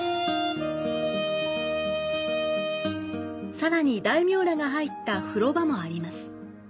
さらに大名らが入った風呂場もあります。